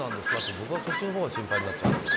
僕は、そっちのほうが心配になっちゃったけど。